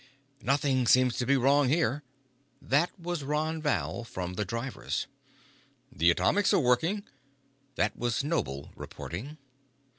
"Nothing seems to be wrong here." That was Ron Val, from the drivers. "The atomics are working." That was Noble reporting.